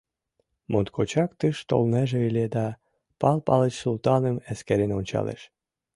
Моткочак тыш толнеже ыле да— Пал Палыч Султаным эскерен ончалеш.